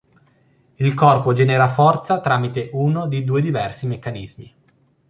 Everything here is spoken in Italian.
Il corpo genera forza tramite uno di due diversi meccanismi.